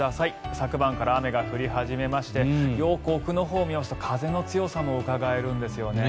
昨晩から雨が降り始めましてよく奥のほうを見ますと風の強さもうかがえるんですよね。